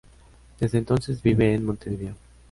Desde entonces vive en Montevideo.